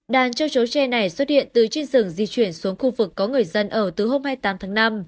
đàn châu chấu tre này xuất hiện từ trên rừng di chuyển xuống khu vực có người dân ở từ hôm hai mươi tám tháng năm